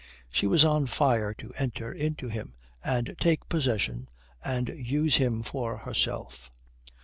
She was on fire to enter into him and take possession, and use him for herself.